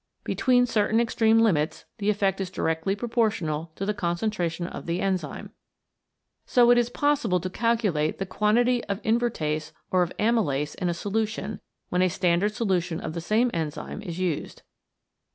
Be tween certain extreme limits the effect is directly proportional to the concentration of the enzyme. So it is possible to calculate the quantity of invertase or of amylase in a solution, when a standard solution of the same enzyme is used.